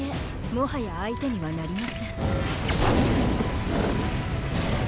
もはや相手にはなりません。